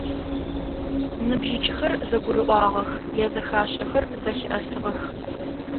Ныбжьыкӏэхэр зэгурыӏуагъэх, язэхашӏэхэр зэлъыӏэсыгъэх.